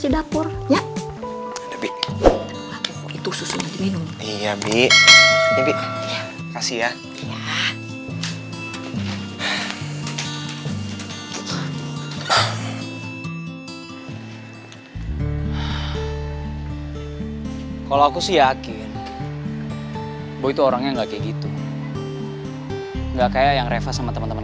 kalau aku sih yakin boy itu orangnya nggak kayak gitu nggak kayak yang reva sama teman teman